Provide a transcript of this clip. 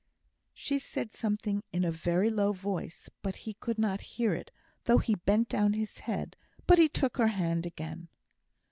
She said something in a very low voice; he could not hear it, though he bent down his head but he took her hand again.